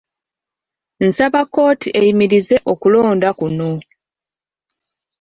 Nasaba kkooti eyimirize okulonda kuno.